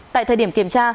tại thời điểm kiểm tra